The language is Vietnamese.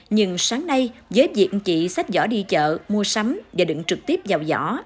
nhưng sáng nay với việc chị xách vỏ đi chợ mua sắm và đựng trực tiếp vào vỏ